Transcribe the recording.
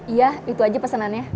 iya itu aja pesenannya